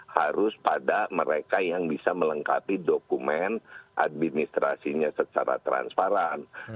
harus pada mereka yang bisa melengkapi dokumen administrasinya secara transparan